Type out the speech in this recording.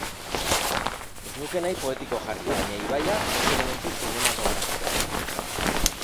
Ez nuke nahi poetiko jarri, baina ibaia oso elementu zinematografikoa da.